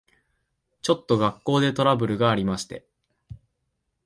ちょっと学校でトラブルがありまして。